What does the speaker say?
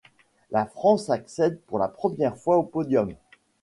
La France accède pour la première fois au podium.